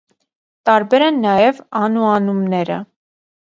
Տարբեր են նաեւ անուանումները։